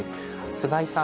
菅井さん